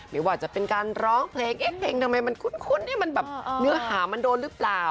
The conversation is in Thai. ไม่ว่าจะเป็นการร้องเพลงทำไมมันคุ้นเนื้อหามันโดนหรือเปล่า